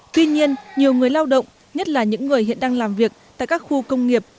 tuy nhiên nhiều người lao động nhất là những người hiện đang làm việc tại các khu công nghiệp